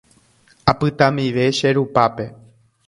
Apytamive che rupápe.